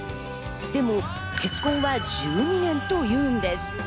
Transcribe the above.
でも結婚は１２年と言うんです。